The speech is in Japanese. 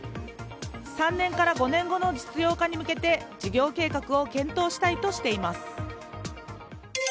３年から５年後の実用化に向けて事業計画を検討したいとしています。